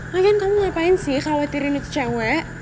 lagian kamu ngapain sih khawatirin itu cewek